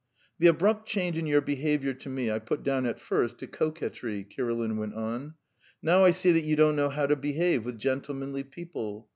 "The abrupt change in your behaviour to me I put down at first to coquetry," Kirilin went on; "now I see that you don't know how to behave with gentlemanly people.